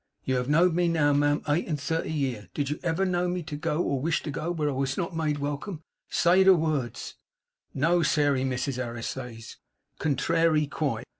You have know'd me now, ma'am, eight and thirty year; and did you ever know me go, or wish to go, where I was not made welcome, say the words." "No, Sairey," Mrs Harris says, "contrairy quite."